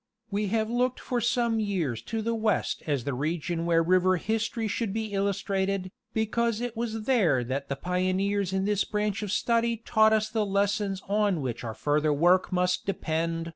We have looked for some years to the west as the region where river history should be illustrated, because it was there that the pioneers in this branch of study taught us the lessons on which our further work must depend.